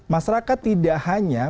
masyarakat tidak hanya